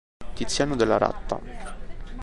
Tiziano Della Ratta